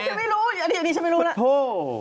ฉันไม่รู้อันนี้ฉันไม่รู้แล้ว